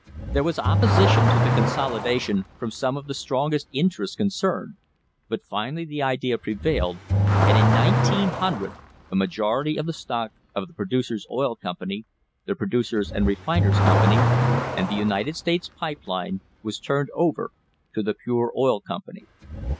There was opposition to the consolidation from some of the strongest interests con cerned, but finally the idea prevailed, and in 1900 a majority of the stock of the Producers' Oil Company, the Producers' and Refiners' Company, and the United States Pipe Line was turned over to the Pure Oil Company.